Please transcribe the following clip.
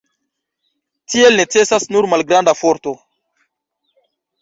Tiel necesas nur malgranda forto.